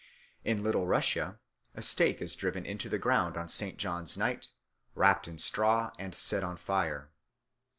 In Little Russia a stake is driven into the ground on St. John's Night, wrapt in straw, and set on fire.